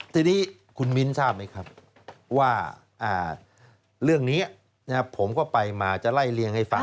ทีนี้คุณมิ้นทราบไหมครับว่าเรื่องนี้ผมก็ไปมาจะไล่เลี่ยงให้ฟัง